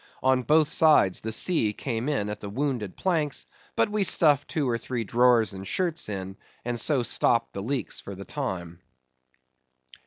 On both sides the sea came in at the wounded planks, but we stuffed two or three drawers and shirts in, and so stopped the leaks for the time.